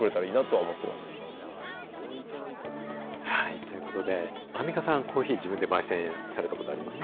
ということで、アンミカさん、コーヒー、自分でばい煎されたことありますか？